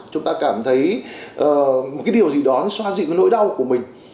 chúng ta cảm thấy cái điều gì đó xoa dịu cái nỗi đau của mình